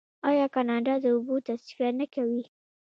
آیا کاناډا د اوبو تصفیه نه کوي؟